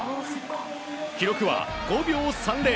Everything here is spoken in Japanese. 記録は５秒３０。